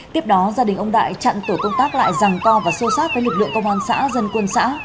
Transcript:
tiếp đó gia đình ông đại chặn tổ công tác lại ràng to và sô sát với lực lượng công an xã dân quân xã